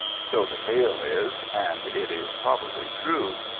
So the tale is; and it is probably true.